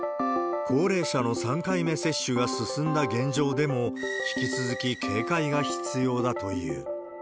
高齢者の３回目接種が進んだ現状でも、引き続き警戒が必要だという。